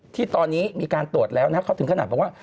ที่ตอนนี้มีการตรวจแล้วนะเขาถึงขนาดบอกว่า